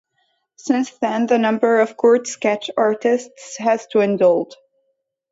Since then the number of court sketch artists has dwindled.